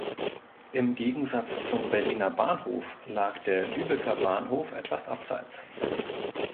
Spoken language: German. Im Gegensatz zum Berliner Bahnhof lag der Lübecker Bahnhof etwas abseits.